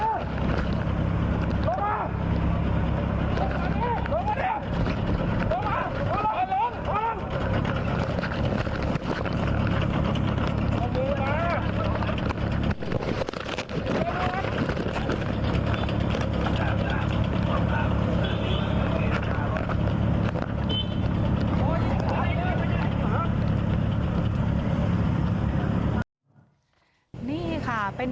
ยังเวอร์ยังเวอร์ยังเวอร์